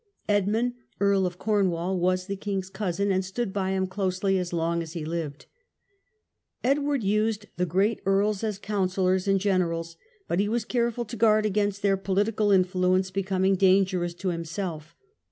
Edmund, Earl of Cornwall, was the Jcing's cousin, and stood by him closely as long as he lived. Edward used the great earls as counsellors and generals, but he was careful to guard against their political influence becoming dangerous to himself.